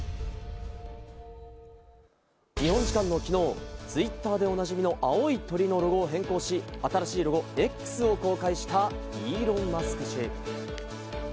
日本時間のきのう、Ｔｗｉｔｔｅｒでおなじみの青い鳥のロゴを変更し、新しいロゴ・Ｘを公開したイーロン・マスク氏。